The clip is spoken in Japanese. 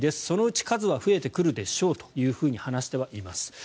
そのうち数は増えてくるでしょうと話してはいます。